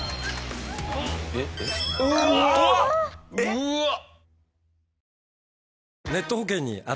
うわっ！